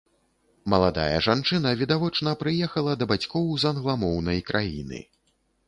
Маладая жанчына, відавочна, прыехала да бацькоў з англамоўнай краіны.